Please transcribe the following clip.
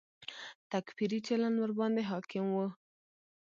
تکفیري چلند ورباندې حاکم و.